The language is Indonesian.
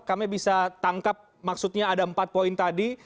kami bisa tangkap maksudnya ada empat poin tadi